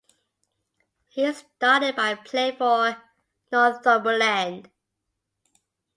He started by playing for Northumberland.